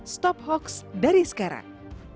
stop hoaks dari sekarang